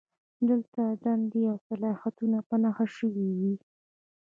دلته دندې او صلاحیتونه په نښه شوي وي.